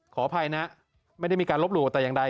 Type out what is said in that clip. ขออภัยนะไม่ได้มีการลบหลู่แต่อย่างใด